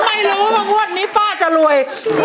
ถ้าไม่รู้ว่าวันนี้ป้าจะรวย